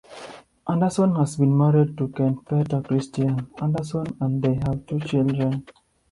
Andersson has been married to Kent Peter Kristian Andersson and they have two children.